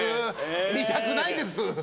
見たくないです。